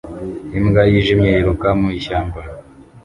Imbwa yijimye yiruka mu ishyamba